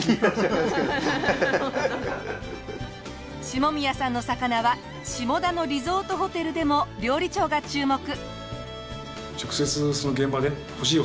下宮さんの魚は下田のリゾートホテルでも料理長が注目。